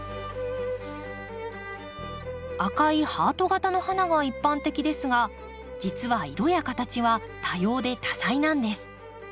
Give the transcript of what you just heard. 赤いハート形の花が一般的ですが実は色や形は多様で多彩なんです。